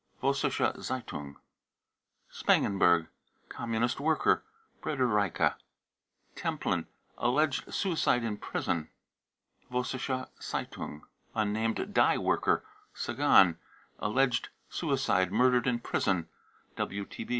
(Vossische Z e ^ un i') spangenberg. Communist worker, Bredereiche, Templin, alleged suicide in prison. (Vossische Z eitun §) unnamed dye worker, Sagan, alleged suicide, murdered in prison.